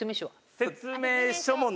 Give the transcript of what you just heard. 説明書は？」